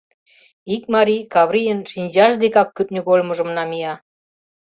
Ик марий Каврийын шинчаж декак кӱртньыгольмыжым намия.